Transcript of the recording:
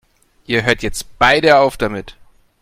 Ihr hört jetzt beide auf damit!